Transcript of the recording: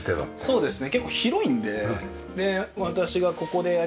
そうですね